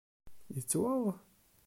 Yettwaɣ?